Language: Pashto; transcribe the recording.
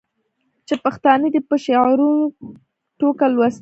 چې پښتانه دې په شعوري ټوګه لوستي شي.